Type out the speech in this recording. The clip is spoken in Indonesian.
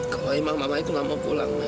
kalau emang mama itu nggak mau pulang